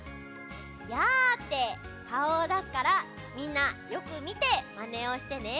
「やあ」ってかおをだすからみんなよくみてマネをしてね。